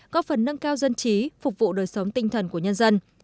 có phần nâng cao dân trí phục vụ đời sống tinh thần của nhân dân